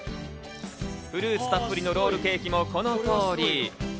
フルーツたっぷりのロールケーキも、この通り。